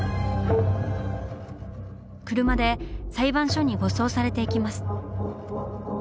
車で裁判所に護送されていきます。